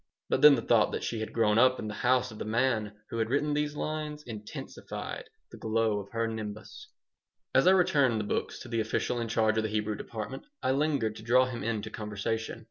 But then the thought that she had grown up in the house of the man who had written these lines intensified the glow of her nimbus As I returned the books to the official in charge of the Hebrew department I lingered to draw him into conversation.